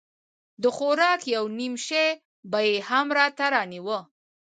د خوراک يو نيم شى به يې هم راته رانيوه.